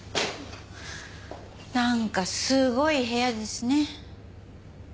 なんかすごい部屋ですね。